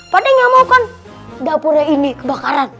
padahal nggak mau kan dapurnya ini kebakaran